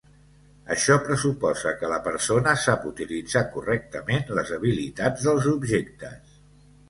Això pressuposa que la persona sap utilitzar correctament les habilitats dels objectes.